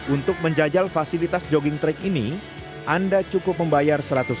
untuk menjajal fasilitas jogging track ini anda cukup membayar rp seratus per sesi atau dua jam